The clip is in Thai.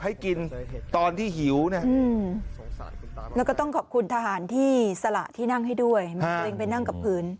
ให้กินตอนที่หิวนะสมสารแล้วก็ต้องขอบคุณทหารที่สระที่นั่งให้ด้วยมาตรงไปนั่งก็